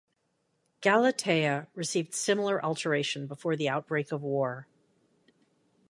"Galatea" received similar alteration before the outbreak of war.